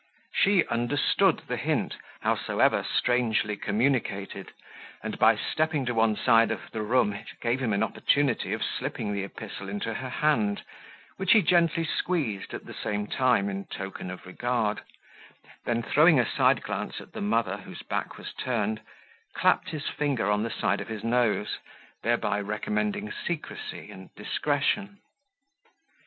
She understood the hint, howsoever strangely communicated, and, by stepping to one side of the room gave him an opportunity of slipping the epistle into her hand, which he gently squeezed at the same time in token of regard: then throwing a side glance at the mother, whose back was turned, clapped his finger on the side of his nose, thereby recommending secrecy and discretion.